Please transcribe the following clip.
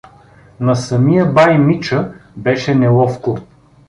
На самия бай Мича беше неловко.